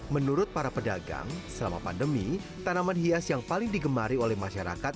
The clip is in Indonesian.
menurut para pedagang selama pandemi tanaman hias yang paling digemari oleh masyarakat